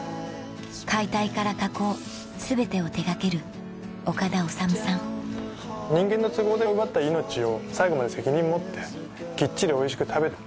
解体から加工全てを手掛ける人間の都合で奪った命を最後まで責任持ってきっちりおいしく食べる。